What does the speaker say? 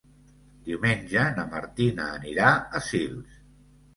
Diumenge na Martina anirà a Sils.